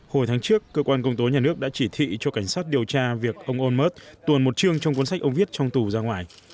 hồi tháng trước cơ quan công tố nhà nước đã chỉ thị cho cảnh sát điều tra việc ông onm mus tuồn một chương trong cuốn sách ông viết trong tù ra ngoài